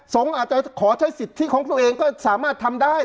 อาจจะขอใช้สิทธิของตัวเองก็สามารถทำได้